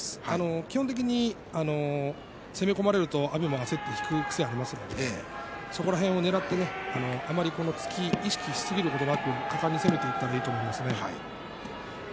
基本的に攻め込まれると阿炎も焦って引く癖がありますのでそこら辺をねらってあまり突きを意識しすぎることなく果敢に攻めていったらいいと思いますね。